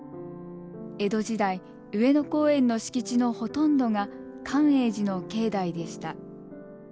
江戸時代上野公園の敷地のほとんどが寛永寺の境内でした。